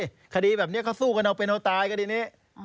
ถ้าร้องชีวิตแบบนี้ข้อสู้กันเอาไปเนอะตายกันทีนี้